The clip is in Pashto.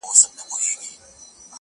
د جنګونو د شیطان قصر به وران سي٫